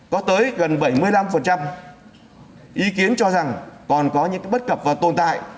có tới gần bảy mươi năm ý kiến cho rằng còn có những bất cập và tồn tại